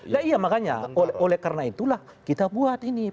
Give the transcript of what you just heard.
nah iya makanya oleh karena itulah kita buat ini